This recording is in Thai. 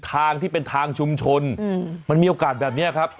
ทางที่เป็นทางชุมชนมันมีโอกาสแบบนี้ครับ